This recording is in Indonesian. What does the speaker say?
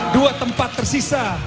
dua tempat tersisa